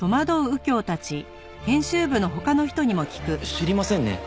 知りませんね。